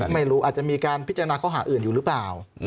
ไม่รู้อาจจะมีการพิจารณาข้อหาอื่นอยู่หรือเปล่า